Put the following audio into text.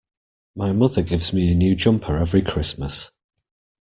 My mother gives me a new jumper every Christmas